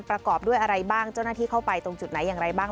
ประกอบด้วยอะไรบ้างเจ้าหน้าที่เข้าไปตรงจุดไหนอย่างไรบ้าง